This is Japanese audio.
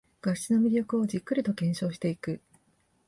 画質の魅力をじっくりと検証していく